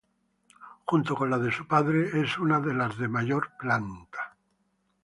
Junto con la de su padre, es una de las de mayor planta.